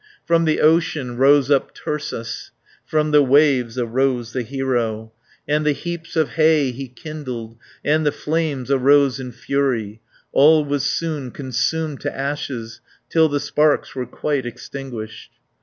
From the ocean rose up Tursas, From the waves arose the hero, And the heaps of hay he kindled, And the flames arose in fury. 70 All was soon consumed to ashes, Till the sparks were quite extinguished.